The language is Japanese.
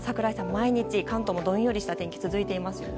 毎日、関東もどんよりした天気が続いていますよね。